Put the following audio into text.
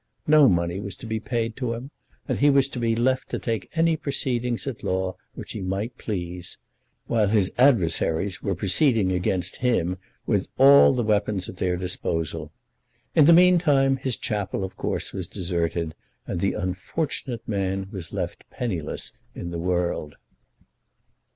No money was to be paid to him, and he was to be left to take any proceedings at law which he might please, while his adversaries were proceeding against him with all the weapons at their disposal. In the meantime his chapel was of course deserted, and the unfortunate man was left penniless in the world.